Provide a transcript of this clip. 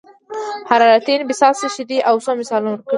حرارتي انبساط څه شی دی او څو مثالونه ورکړئ.